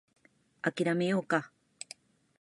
諦めようか